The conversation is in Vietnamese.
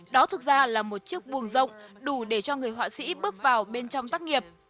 đó thực ra là một chiếc buồng rộng đủ để cho người họa sĩ bước vào bên trong tác nghiệp